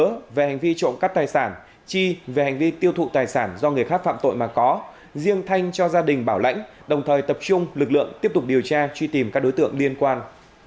cảnh sát điều tra công an tp long xuyên ra quyết định tạm giữ hình sự đối với nhớ về hành vi tiêu thụ tài sản do người khác phạm tội mà có riêng thanh cho gia đình bảo lãnh đồng thời tập trung lực lượng tiếp tục điều tra truy tìm các đối tượng liên quan